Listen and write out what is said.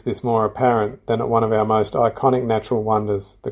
dari salah satu peringkat alam yang paling ikonik